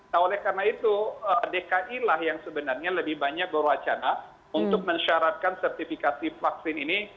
nah oleh karena itu dkilah yang sebenarnya lebih banyak berwacana untuk mensyaratkan sertifikasi vaksin ini